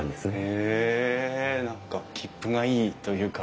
へえ何かきっぷがいいというか。